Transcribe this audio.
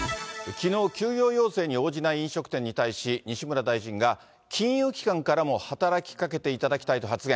きのう、休業要請に応じない飲食店に対し、西村大臣が金融機関からも働きかけていただきたいと発言。